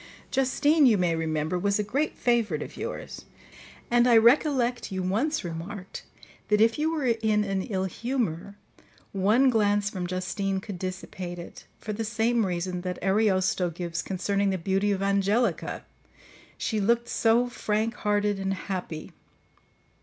"Justine, you may remember, was a great favourite of yours; and I recollect you once remarked that if you were in an ill humour, one glance from Justine could dissipate it, for the same reason that Ariosto gives concerning the beauty of Angelica—she looked so frank hearted and happy.